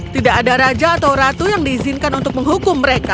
tidak ada raja atau ratu yang diizinkan untuk menghukum mereka